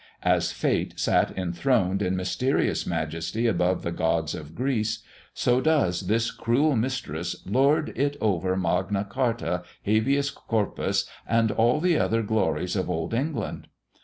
As Fate sat enthroned in mysterious majesty above the gods of Greece, so does this cruel mistress lord it over Magna Charta, Habeas Corpus, and all the other glories of Old England.